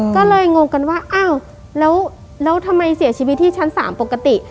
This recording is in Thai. ก็เลยงงกันว่าอ้าวแล้วทำไมเสียชีวิตที่ชั้น๓ปกติ